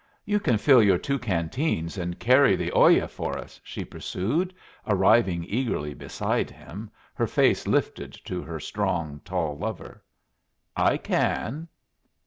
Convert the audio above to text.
"You can fill your two canteens and carry the olla for us," she pursued, arriving eagerly beside him, her face lifted to her strong, tall lover. "I can."